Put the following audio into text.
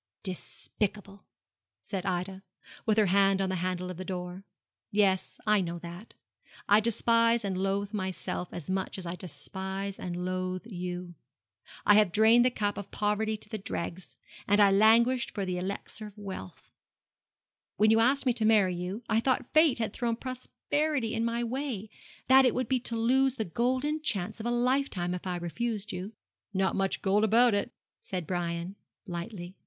'Despicable,' said Ida, with her hand on the handle of the door. 'Yes, I know that. I despise and loathe myself as much as I despise and loathe you. I have drained the cup of poverty to the dregs, and I languished for the elixir of wealth. When you asked me to marry you, I thought Fate had thrown prosperity in my way that it would be to lose the golden chance of a lifetime if I refused you.' 'Not much gold about it,' said Brian, lightly.